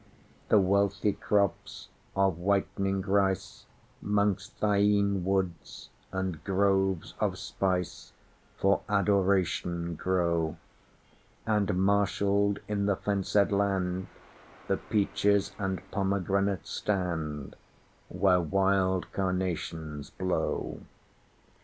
The wealthy crops of whitening rice'Mongst thyine woods and groves of spice, For Adoration grow; And, marshalled in the fencèd land, The peaches and pomegranates stand, Where wild carnations blow.